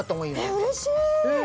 うれしい！